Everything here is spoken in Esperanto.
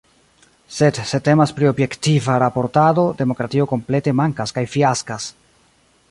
Sed se temas pri objektiva raportado, demokratio komplete mankas kaj fiaskas.